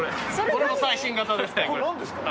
これも最新型ですか？